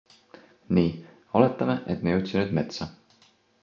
Nii, oletame, et me jõudsime nüüd metsa.